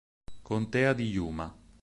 Contea di Yuma